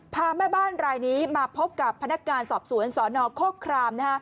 พาแม่บ้านรายนี้มาพบกับพนักการย์สอบสวนสรนโฆฮกราม